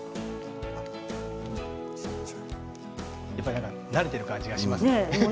やっぱり慣れている感じがしますね。